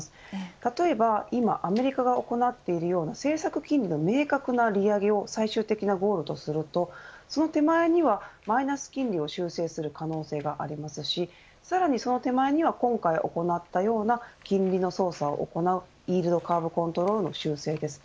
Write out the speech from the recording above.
例えば今、アメリカが行っているような、政策金利の明確な利上げを最終的なゴールとするとその手前にはマイナス金利を修正する可能性がありますしさらにその手前には今回行ったような金利の操作を行うイールドカーブコントロールの修正です。